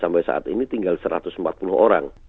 sampai saat ini tinggal satu ratus empat puluh orang